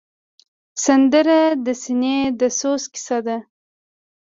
سندره د سینې د سوز کیسه ده